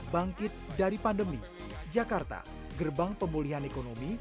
bangkit dari pandemi jakarta gerbang pemulihan ekonomi